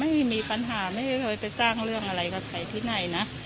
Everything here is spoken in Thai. ไม่มีปัญหาไม่เคยไปสร้างเรื่องอะไรกับใครที่ไหนนะ